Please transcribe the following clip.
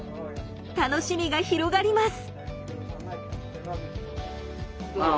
楽しみが広がります。